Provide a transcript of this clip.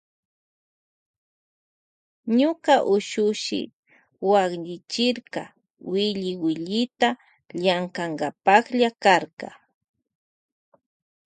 Ñuka ushushi waklichirka willi willita llankankapalla karka.